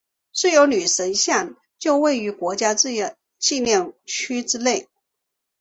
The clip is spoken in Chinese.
自由女神像就位于国家自由纪念区之内。